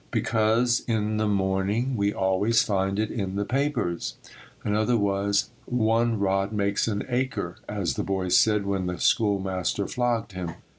Because in the morning we always find it in the papers." Another was: "One rod makes an acher, as the boy said when the schoolmaster flogged him."